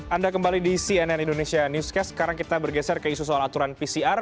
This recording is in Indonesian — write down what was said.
anda kembali di cnn indonesia newscast sekarang kita bergeser ke isu soal aturan pcr